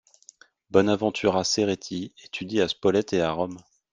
Bonaventura Cerreti étudie à Spolète et à Rome.